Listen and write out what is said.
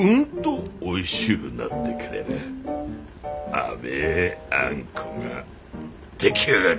甘えあんこが出来上がる。